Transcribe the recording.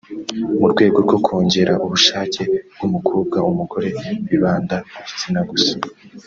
mu rwego rwo kongera ubushake bw’umukobwa/umugore bibanda ku gitsina gusa